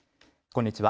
こんにちは。